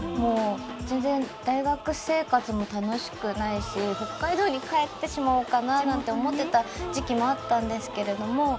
全然大学生活も楽しくないし北海道に帰ってしまおうかななんて思ってた時期もあったんですけれども。